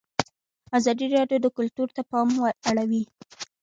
ازادي راډیو د کلتور ته پام اړولی.